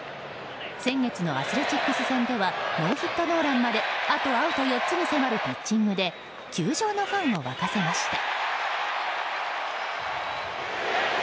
先月のアスレチックス戦ではノーヒットノーランまであとアウト４つに迫るピッチングで球場のファンを沸かせました。